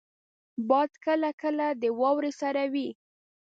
باد کله کله د واورې سره وي